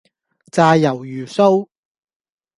炸魷魚鬚